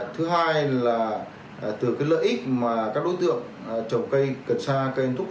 thứ hai là từ lợi ích mà các đối tượng trồng cây cần sa cây anh túc